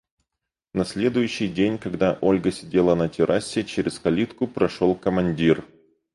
На следующий день, когда Ольга сидела на террасе, через калитку прошел командир.